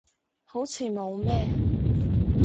好似冇咩